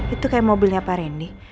itu kayak mobilnya pak randy